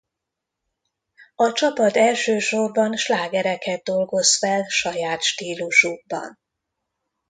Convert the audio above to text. A csapat elsősorban slágereket dolgoz fel saját stílusukban.